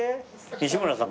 西村さん。